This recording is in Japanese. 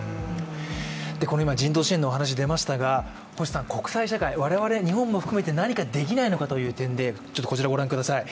今、人道支援の話が出ましたが国際社会、我々日本も含めて何かできないのかという点でこちらをご覧ください。